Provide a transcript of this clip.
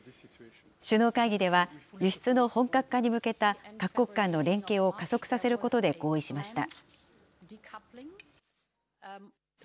首脳会議では、輸出の本格化に向けた各国間の連携を加速させることで合意しました。